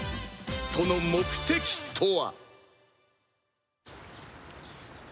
その目的とは